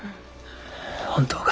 本当か。